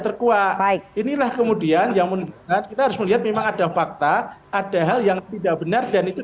terkuat baik inilah kemudian yang menurut kita harus melihat memang ada fakta ada hal yang tidak benar dan itu